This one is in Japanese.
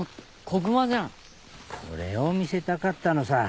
これを見せたかったのさ。